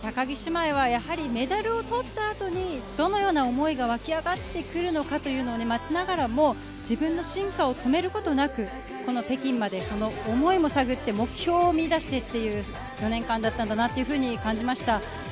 高木姉妹はやはりメダルを取った後にどのような思いがわき上がってくるのかというのを待ちながらも自分の進化を止めることなく、この北京までその思いも探って目標を見出していってという４年間だったんだなと感じました。